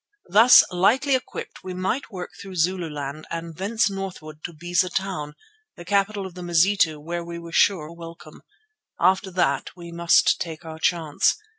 Thus lightly equipped we might work through Zululand and thence northward to Beza Town, the capital of the Mazitu, where we were sure of a welcome. After that we must take our chance.